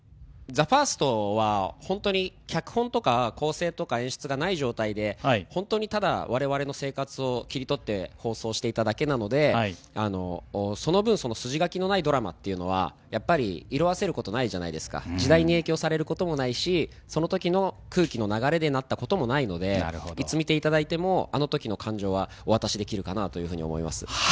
ＴＨＥＦＩＲＳＴは、本当に脚本とか構成とか演出がない状態で、本当にただ、われわれの生活を切り取って放送していただけなので、その分、その筋書きのないドラマっていうのは、やっぱり、色あせることないじゃないですか、時代に影響されることもないし、そのときの空気の流れでなったこともないので、いつ見ていただいても、あのときの感動はお渡しできるかなというふうに思います。